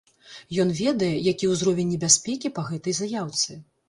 Ён ведае, які ўзровень небяспекі па гэтай заяўцы.